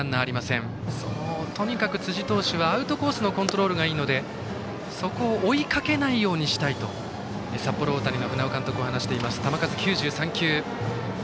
とにかく辻投手はアウトコースのコントロールがいいのでそこを追いかけないようにしたいと札幌大谷の船尾監督は話しています。